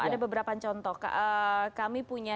ada beberapa contoh kami punya